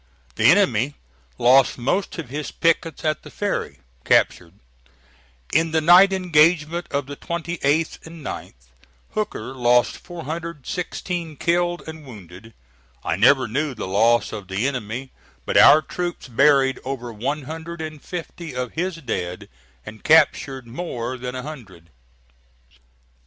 The enemy lost most of his pickets at the ferry, captured. In the night engagement of the 28th 9th Hooker lost 416 killed and wounded. I never knew the loss of the enemy, but our troops buried over one hundred and fifty of his dead and captured more than a hundred.